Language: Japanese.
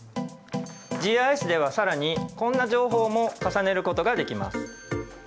ＧＩＳでは更にこんな情報も重ねることができます。